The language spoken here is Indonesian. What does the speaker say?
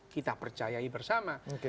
kita percaya bersama